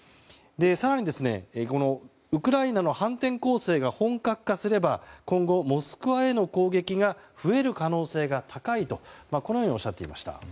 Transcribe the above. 更に、ウクライナの反転攻勢が本格化すれば今後、モスクワへの攻撃が増える可能性が高いとこのようにおっしゃっていました。